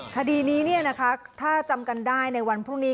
คดีนี้ถ้าจำกันได้ในวันพรุ่งนี้